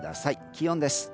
気温です。